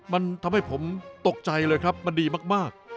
มันทำให้ผมตกใจเลยครับมันดีมาก